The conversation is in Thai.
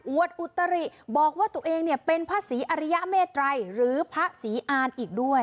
วดอุตริบอกว่าตัวเองเนี่ยเป็นพระศรีอริยเมตรัยหรือพระศรีอานอีกด้วย